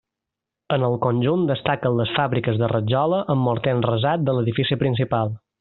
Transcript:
En el conjunt destaquen les fàbriques de rajola amb morter enrasat de l'edifici principal.